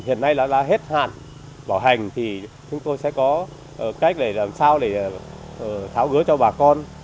hiện nay đã hết hạn bỏ hành thì chúng tôi sẽ có cách làm sao để tháo gứa cho bà con